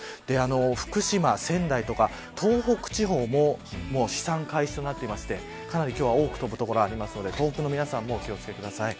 福島、仙台とか東北地方も飛散開始となっていてかなり今日は多く飛ぶ所があるので東北の皆さんもお気を付けください。